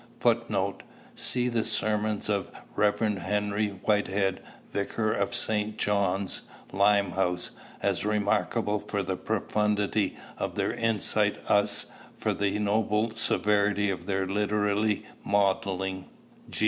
[Footnote: See the Sermons of the Rev. Henry Whitehead, vicar of St. John's, Limehouse; as remarkable for the profundity of their insight us for the noble severity of their literary modelling.